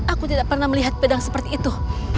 aku tidak pernah melihat pedang seperti itu